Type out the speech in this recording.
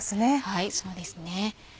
はいそうですね。